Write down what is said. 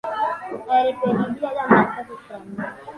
È reperibile da marzo a settembre.